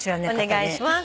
お願いします。